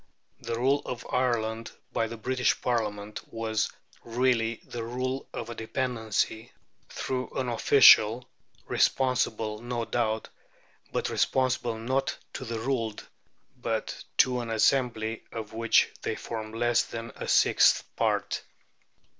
The rule of Ireland by the British Parliament was really "the rule of a dependency through an official, responsible no doubt, but responsible not to the ruled, but to an assembly of which they form less than a sixth part."